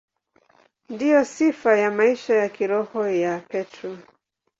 Ndiyo sifa ya maisha ya kiroho ya Petro.